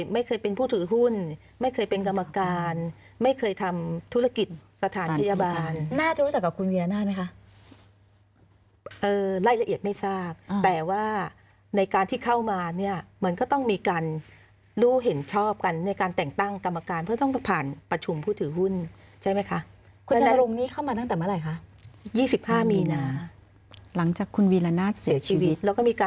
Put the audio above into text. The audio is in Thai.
ไม่เคยเป็นผู้ถือหุ้นไม่เคยเป็นกรรมการไม่เคยทำธุรกิจสถานพยาบาลน่าจะรู้จักกับคุณวีรณาดไหมคะเออไล่ละเอียดไม่ทราบแต่ว่าในการที่เข้ามาเนี่ยมันก็ต้องมีการรู้เห็นชอบกันในการแต่งตั้งกรรมการเพื่อต้องผ่านประชุมผู้ถือหุ้นใช่ไหมคะคุณชันตรงนี้เข้ามาตั้งแต่เมื่อไหร่คะยี่สิบห้ามีนา